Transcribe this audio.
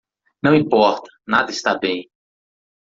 Não importa, nada está bem.